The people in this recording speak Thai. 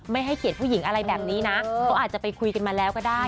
ไม่ให้เขียนผู้หญิงอะไรแบบนี้นะเขาอาจจะไปคุยกันมาแล้วก็ได้